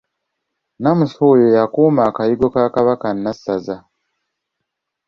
Nnamusu Ono y’akuuma Akayigo ka Kabaka Nnassaza.